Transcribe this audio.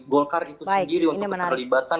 golkar itu sendiri untuk keterlibatan